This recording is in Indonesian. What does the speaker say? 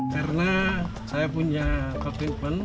karena saya punya kebingkapan